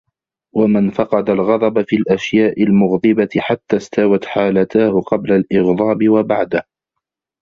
وَمَنْ فَقَدَ الْغَضَبَ فِي الْأَشْيَاءِ الْمُغْضِبَةِ حَتَّى اسْتَوَتْ حَالَتَاهُ قَبْلَ الْإِغْضَابِ وَبَعْدَهُ